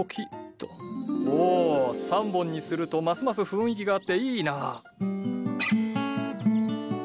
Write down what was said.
おおっ３本にするとますます雰囲気があっていいな。